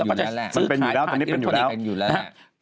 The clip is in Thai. มันเป็นอยู่แล้ว